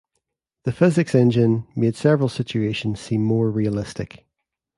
The physics engine made several situations seem more realistic.